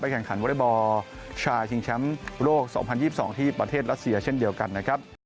แข่งขันวอเล็กบอลชายชิงแชมป์โลก๒๐๒๒ที่ประเทศรัสเซียเช่นเดียวกันนะครับ